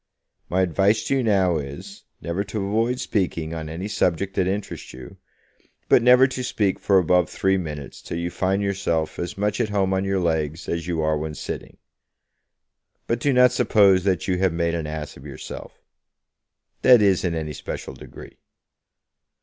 My advice to you now is, never to avoid speaking on any subject that interests you, but never to speak for above three minutes till you find yourself as much at home on your legs as you are when sitting. But do not suppose that you have made an ass of yourself, that is, in any special degree.